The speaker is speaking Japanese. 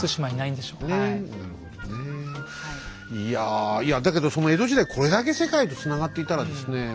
いやいやだけどその江戸時代これだけ世界とつながっていたらですね